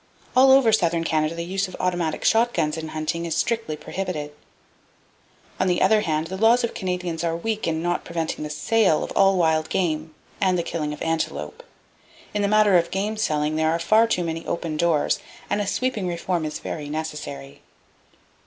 All over southern Canada the use of automatic shotguns in hunting is strictly prohibited. On the other hand, the laws of the Canadians are weak in not preventing the sale of all wild game and the killing of antelope. In the matter of game selling, there are far too many open doors, and a sweeping reform is very necessary.